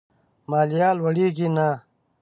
ماليه لوړېږي نه.